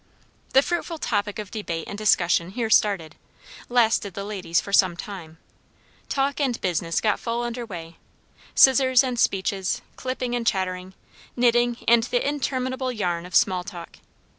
The fruitful topic of debate and discussion here started, lasted the ladies for some time. Talk and business got full under weigh. Scissors and speeches, clipping and chattering, knitting and the interminable yarn of small talk.